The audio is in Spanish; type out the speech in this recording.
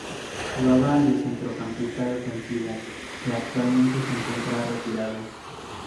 Jugaba de centrocampista defensivo y actualmente se encuentra retirado.